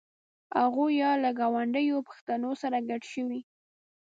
هغوی یا له ګاونډیو پښتنو سره ګډ شوي.